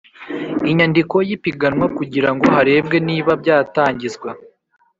inyandiko y ipiganwa kugira ngo harebwe niba byatangizwa